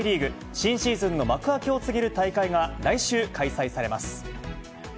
新シーズンの幕開けを告げる大会が、来週開催されます。